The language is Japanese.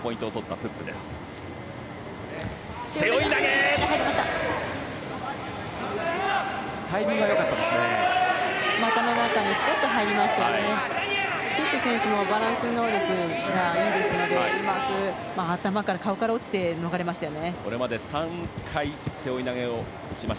プップ選手もバランス能力がいいですのでうまく顔から落ちて逃れましたよね。